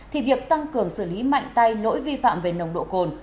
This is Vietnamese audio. thì việc tăng cường xử lý mạnh tay lỗi vi phạm về nồng độ cồn